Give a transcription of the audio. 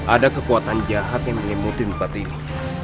ada kekuatan jahat yang meliputi tempat ini